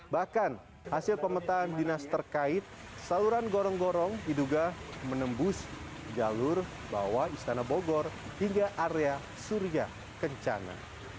bahkan hasil pemetaan dinas terkait saluran gorong gorong diduga menembus jalur bawah istana bogor hingga area surya kencana